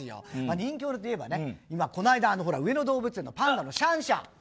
人気者といえば上野動物園のパンダのシャンシャン。